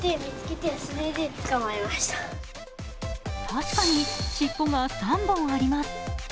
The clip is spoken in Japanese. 確かに尻尾が３本あります。